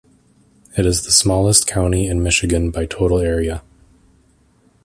It is the smallest county in Michigan by total area.